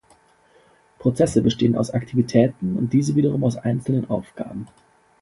Prozesse bestehen aus Aktivitäten und diese wiederum aus einzelnen Aufgaben.